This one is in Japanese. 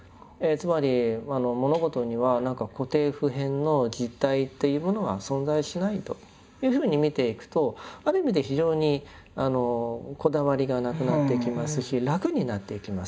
つまり物事には何か固定普遍の実体というものは存在しないというふうに見ていくとある意味で非常にこだわりがなくなっていきますし楽になっていきます。